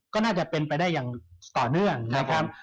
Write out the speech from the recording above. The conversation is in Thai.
ก็น่าจะเป็นไปได้อย่างต่อเนื่องนะครับ